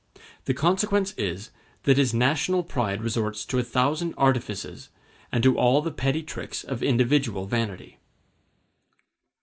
The consequence is, that his national pride resorts to a thousand artifices, and to all the petty tricks of individual vanity.